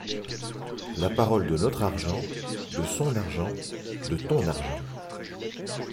La parole de notre argent, de son argent, de ton argent!